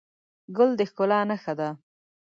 ګل د ښکلا نښه ده.